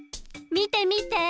みてみて！